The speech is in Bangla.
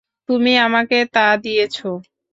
তুমি আমাকে তা দিয়েছ।